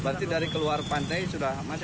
berarti dari keluar pantai sudah macet ya